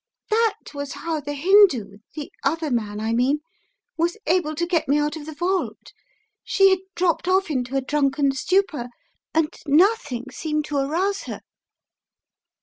That was how the Hindoo, the other man I mean, was able to get me out of the vault. She had dropped off into a drunken stupor and nothing seemed to arouse her."